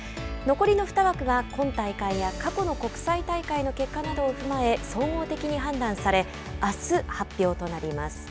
残りの２枠は今大会や過去の国際大会の結果などを踏まえ総合的に判断されあす、発表となります。